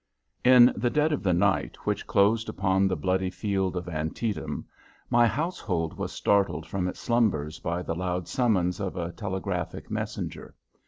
In the dead of the night which closed upon the bloody field of Antietam, my household was startled from its slumbers by the loud summons of a telegraphic messenger.